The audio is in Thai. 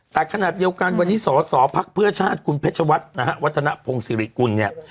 แต่ขนาดเดียวกันวันนี้สสพชคุณเพชวัตรวัฒนภงศิริกุลเนี่ย